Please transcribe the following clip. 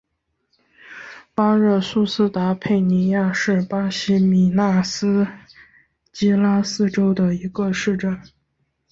邦热苏斯达佩尼亚是巴西米纳斯吉拉斯州的一个市镇。